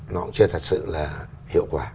nó cũng chưa thật sự là hiệu quả